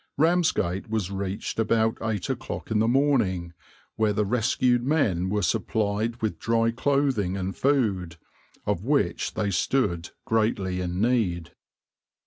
Ramsgate was reached about eight o'clock in the morning, where the rescued men were supplied with dry clothing and food, of which they stood greatly in need.